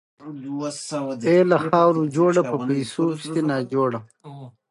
اې له خاورو جوړه، په پيسو پسې ناجوړه !